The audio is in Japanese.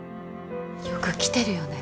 よく来てるよね